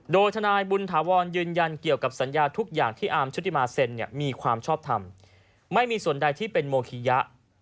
โดยทนายบุญถาวรยืนยันเกี่ยวกับสัญญาทุกอย่างที่อาร์มชุติมาเซ็นเนี่ยมีความชอบทำไม่มีส่วนใดที่เป็นโมคิยะ